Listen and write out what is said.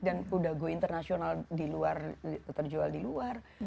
dan udah go internasional di luar terjual di luar